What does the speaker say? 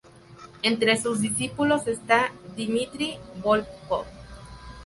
Entre sus discípulos está Dmitry Volkov.